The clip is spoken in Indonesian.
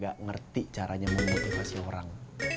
gak ngerti caranya memotivasi orang